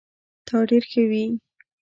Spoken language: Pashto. تا ډير ښه وي